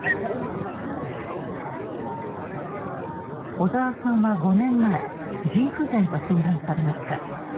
小沢さんは５年前腎不全と診断されました。